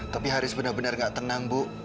tapi haris benar benar nggak tenang bu